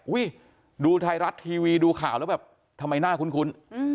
ดูไทยรัฐทีวีดูข่าวแล้วแบบทำไมหน้าคุ้น